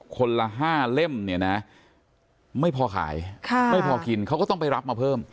คนละ๕เล่มเนี่ยนะไม่พอขายไม่พอกินเขาก็ต้องไปรับมาเพิ่ม